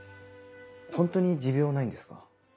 ホントに持病ないんですか？